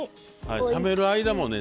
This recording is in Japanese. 冷める間もね